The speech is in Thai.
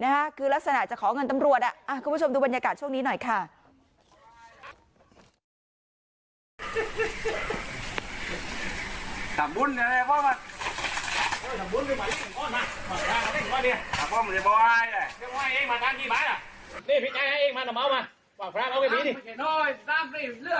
นี่เมาส์เอาไข่ผีนี่เรียกให้ได้